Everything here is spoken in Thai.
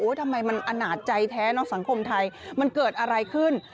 ทำไมมันอนาจใจแท้เนาะสังคมไทยมันเกิดอะไรขึ้น